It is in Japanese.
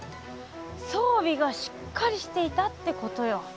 そうびがしっかりしていたってことよ。